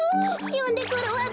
よんでくるわべ！